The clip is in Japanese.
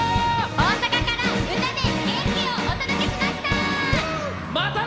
大阪から歌で元気をお届けしました！